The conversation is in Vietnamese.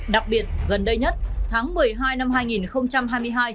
đặc biệt gần đây nhất tháng một mươi hai năm hai nghìn hai mươi hai